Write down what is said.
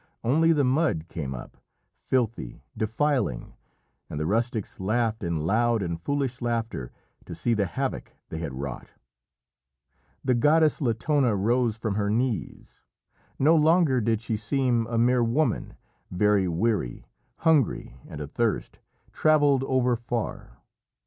Only the mud came up, filthy, defiling, and the rustics laughed in loud and foolish laughter to see the havoc they had wrought. The goddess Latona rose from her knees. No longer did she seem a mere woman, very weary, hungry and athirst, travelled over far.